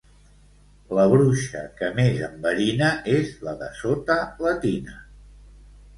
La bruixa que més enverina és la de sota la tina.